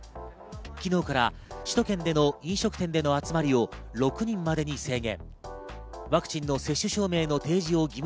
昨日から首都圏での飲食店での集まりを６人までに制限。